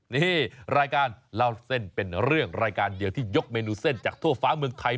นี่รายการเล่าเส้นเป็นเรื่องรายการเดียวที่ยกเมนูเส้นจากทั่วฟ้าเมืองไทย